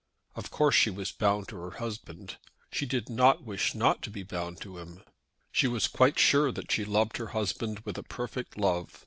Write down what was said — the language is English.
Of course she was bound to her husband. She did not wish not to be bound to him. She was quite sure that she loved her husband with a perfect love.